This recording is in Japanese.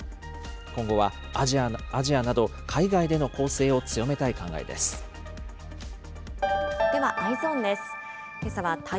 今後はアジアなど、海外での攻勢では、Ｅｙｅｓｏｎです。